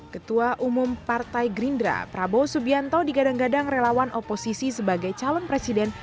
ketua umum partai gerindra prabowo subianto digadang gadang relawan oposisi sebagai calon presiden